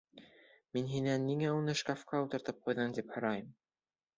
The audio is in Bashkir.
Мин һинән, ниңә уны шкафҡа ултыртып ҡуйҙың, тип һорайым!